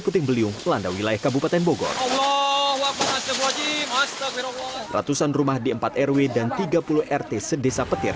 puting beliung melanda wilayah kabupaten bogor ratusan rumah di empat rw dan tiga puluh rt sedesa petir